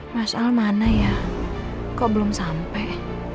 mas al mana ya kok belum sampai